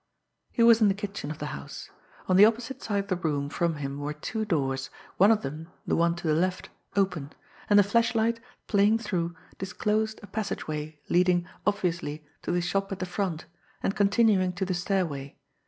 He was in the kitchen of the house. On the opposite side of the room from him were two doors, one of them, the one to the left, open and the flashlight, playing through, disclosed a passageway leading, obviously, to the shop at the front, and continuing to the stairway.